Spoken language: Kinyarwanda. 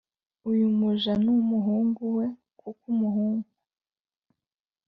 Uyu muja n umuhungu we kuko umuhungu